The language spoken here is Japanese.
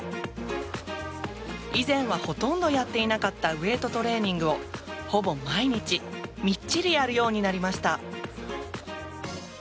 以前はほとんどやっていなかったウェートトレーニングをほぼ毎日みっちりやるようになりました。